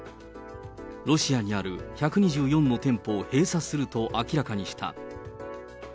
ロシアにある１２４の店舗を閉鎖すると明らかにした。